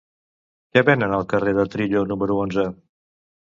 Què venen al carrer de Trillo número onze?